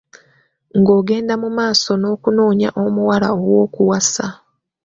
Ng’ogenda mu maaso n’okunoonya omuwala ow’okuwasa.